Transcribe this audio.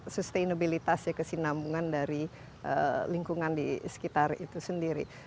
sustainability ya kesinambungan dari lingkungan di sekitar itu sendiri